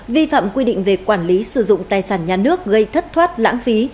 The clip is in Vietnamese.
vi phạm quy định về quản lý sử dụng tài sản nhà nước gây thất thoát lãng phí